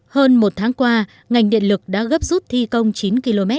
hơn một tháng qua ngành điện lực đã gấp rút thi công chín km